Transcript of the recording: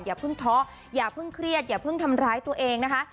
อย่าเพิ่งท้ออย่าเพิ่งเครียดอย่าเพิ่งทำร้ายตัวเองนะคะ